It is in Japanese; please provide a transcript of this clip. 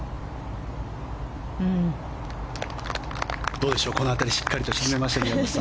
どうでしょうこの辺りしっかり決めましたが。